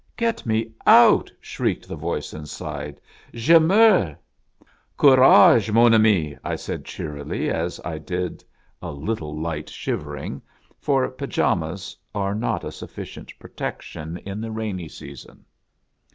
"Get me out!" shrieked the voice inside. "Je meurs !"" Courage, mon ami !" I said cheerily, as I did a little light shivering; for pajamas are not a sufficient protection in the rainy season.